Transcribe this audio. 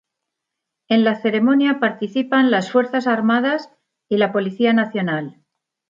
En la ceremonia participan las fuerzas armadas y la Policía Nacional.